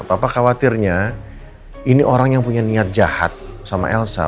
papa khawatirnya ini orang yang punya niat jahat sama elsa